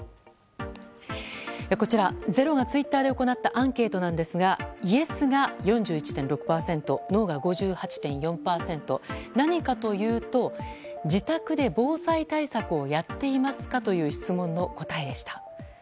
こちら、「ｚｅｒｏ」がツイッターで行ったアンケートなんですがイエスが４１．６％ノーが５８．４％何かというと、自宅で防災対策をやっていますかという質問の答えでした。